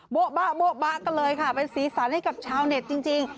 โบ๊ะบะกันเลยค่ะเป็นสีสันให้กับชาวเน็ตจริง